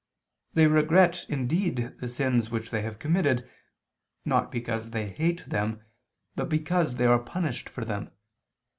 They regret indeed the sins which they have committed, not because they hate them, but because they are punished for them.